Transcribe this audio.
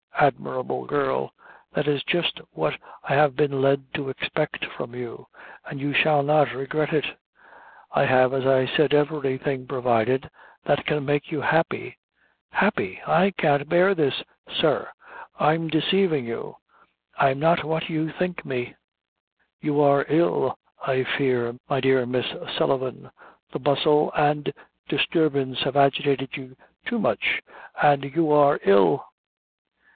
"Admirable girl! that is just what I have been led to expect from you, and you shall not regret it; I have, as I said, everything provided that can make you happy." "Happy! I can't bear this, sir; I'm desavin' you. I'm not what you think me." "You are ill, I fear, my dear Miss Sullivan; the bustle and disturbance have agitated you too much, and you are ill."